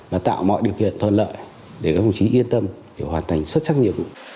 và tạo mọi điều kiện thuận lợi để các đồng chí yên tâm để hoàn thành xuất sắc nhiệm vụ